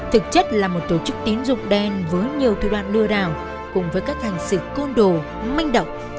thực chất là một tổ chức tín dụng đen với nhiều thủ đoạn lừa đảo cùng với các hành sự côn đồ manh động